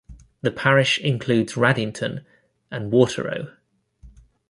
The parish includes Raddington and Waterrow.